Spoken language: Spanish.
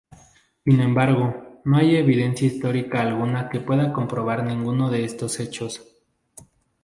Sin embargo, no hay evidencia histórica alguna que pueda comprobar ninguno de estos hechos.